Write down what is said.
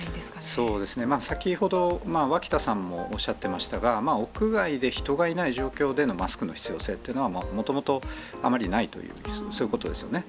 そうですね、先ほど、脇田さんもおっしゃってましたが、屋外で人がいない状況でのマスクの必要性っていうのは、もともとあまりないという、そういうことですね。